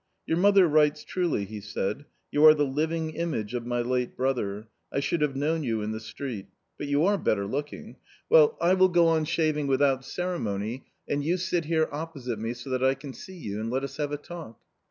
" Your mother writes truly," he said, " you are the living image of my late brother ; I should have known you in the street. But you are better looking. Well I will go on c 34 A COMMON STORY \ Y \ shaving without ceremony, and you sit here opposite me, so that I can see you, and let us have a talk."